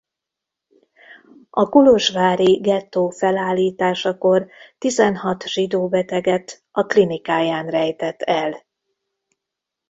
A kolozsvári gettó felállításakor tizenhat zsidó beteget a klinikáján rejtett el.